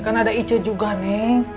ya kan ada ica juga nenek